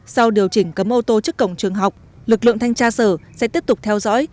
sau điều chỉnh cấm ô tô trước cổng trường học lực lượng thanh tra sở sẽ tiếp tục theo dõi